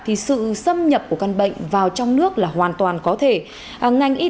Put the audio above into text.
thì sự xâm nhập của căn bệnh sẽ không được tìm ra